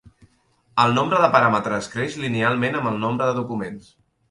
El nombre de paràmetres creix linealment amb el nombre de documents.